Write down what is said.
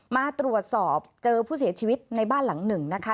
มาตรวจสอบเจอผู้เสียชีวิตในบ้านหลังหนึ่งนะคะ